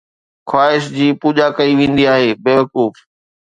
خواهشن جي پوڄا ڪئي ويندي آهي ’بيوقوف‘